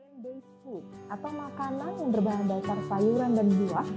band base food atau makanan yang berbahan dasar sayuran dan buah